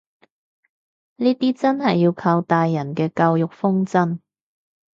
呢啲真係要靠大人嘅教育方針